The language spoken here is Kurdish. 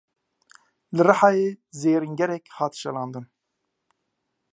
Li Rihayê zêrîngerek hat şelandin.